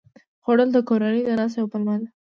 خوړل د کورنۍ د ناستې یوه پلمه ده